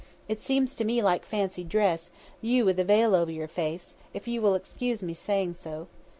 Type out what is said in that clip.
It seems to me like fancy dress, you with a veil over your face, if you will excuse me saying so.